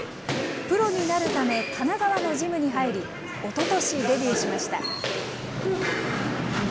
プロになるため、神奈川のジムに入り、おととしデビューしました。